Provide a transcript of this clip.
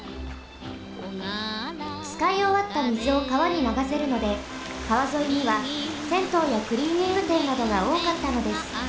つかいおわったみずをかわにながせるのでかわぞいにはせんとうやクリーニングてんなどがおおかったのです。